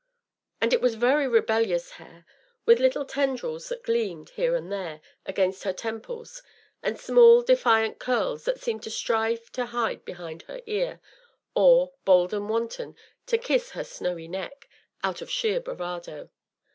And it was very rebellious hair, with little tendrils that gleamed, here and there, against her temples, and small, defiant curls that seemed to strive to hide behind her ear, or, bold and wanton, to kiss her snowy neck out of sheer bravado.